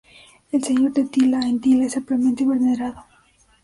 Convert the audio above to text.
El Señor de Tila, en Tila, es ampliamente venerado.